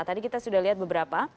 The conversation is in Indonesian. tadi kita sudah lihat beberapa